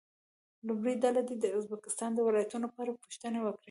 لومړۍ ډله دې د ازبکستان د ولایتونو په اړه پوښتنې وکړي.